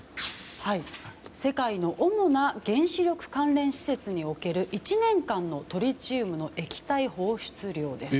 世界の主な原子力関連施設における１年間のトリチウムの液体放出量です。